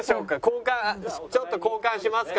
交換ちょっと交換しますか。